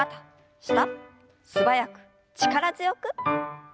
素早く力強く。